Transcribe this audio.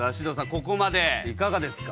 ここまでいかがですか？